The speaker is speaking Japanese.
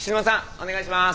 お願いします。